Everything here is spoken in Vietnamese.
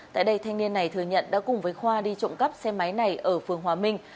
tại đây thanh niên này thừa nhận đã cùng với khoa đi trộm cắp xe máy này ở phương hòa minh